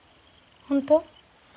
本当？